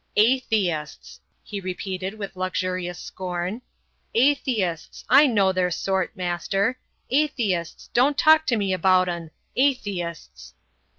"Atheists!" he repeated with luxurious scorn. "Atheists! I know their sort, master. Atheists! Don't talk to me about 'un. Atheists!"